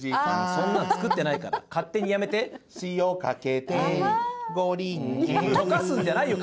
そんなん作ってないから勝手にやめて塩かけてご臨終溶かすんじゃないよ